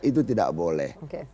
itu tidak boleh